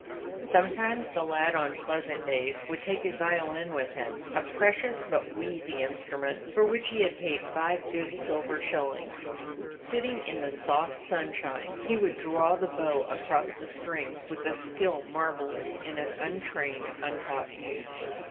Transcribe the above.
Sometimes the lad on pleasant days would take his violin with him ; a precious but wheezy instrument, for which he had paid five good silver shillings. Sitting in the soft sunshine he would draw the bow across the strings with a skill marvelous in an untrained, untaught youth.